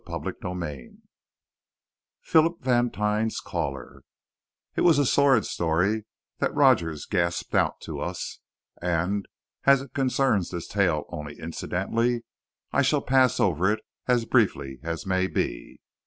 CHAPTER XVI PHILIP VANTINE'S CALLER It was a sordid story that Rogers gasped out to us; and, as it concerns this tale only incidentally, I shall pass over it as briefly as may be.